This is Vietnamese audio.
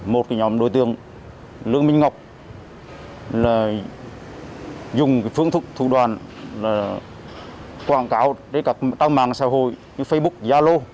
một nhóm đối tượng lương minh ngọc dùng phương thức thu đoàn quảng cáo cho các tàu mạng xã hội facebook zalo